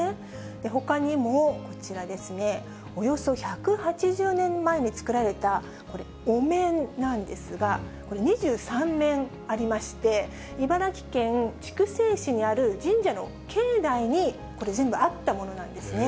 ほかにもこちらですね、およそ１８０年前に作られたこれ、お面なんですが、これ、２３面ありまして、茨城県筑西市にある神社の境内にこれ、全部あったものなんですね。